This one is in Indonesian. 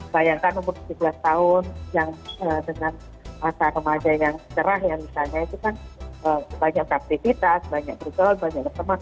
bayangkan umur tujuh belas tahun yang dengan masa remaja yang cerah ya misalnya itu kan banyak beraktivitas banyak berubah banyak teman